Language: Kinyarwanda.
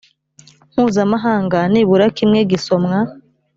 mpuzamahanga nibura kimwe gisomwa